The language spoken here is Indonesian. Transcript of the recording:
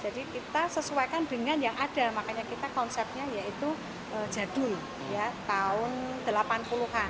jadi kita sesuaikan dengan yang ada makanya kita konsepnya yaitu jadul tahun delapan puluh an